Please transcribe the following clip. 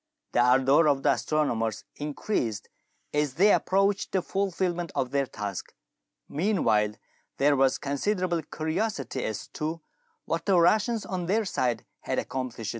The ardour of the astronomers increased as they approached the fulfilment of their task. Meanwhile there was considerable curiosity as to what the Russians on their side had accomplished.